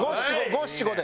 五・七・五で。